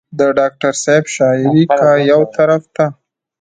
د ډاکټر صېب شاعري کۀ يو طرف ته